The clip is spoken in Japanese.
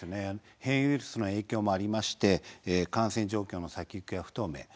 変異ウイルスの影響もありまして感染状況の先行きが不透明